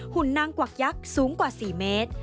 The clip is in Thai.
ุ่นนางกวักยักษ์สูงกว่า๔เมตร